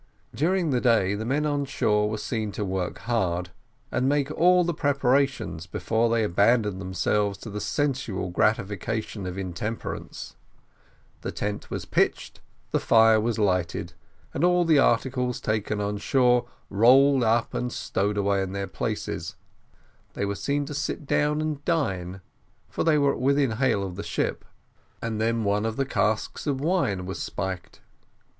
During the day, the men on shore were seen to work hard, and make all the preparations before they abandoned themselves to the sensual gratification of intemperance. The tent was pitched, the fire was lighted, and all the articles taken on shore rolled up and stowed away in their places; they were seen to sit down and dine, for they were within hail of the ship, and then one of the casks of wine was spiled.